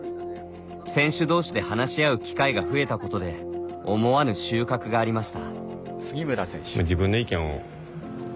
選手どうしで話し合う機会が増えたことで思わぬ収穫がありました。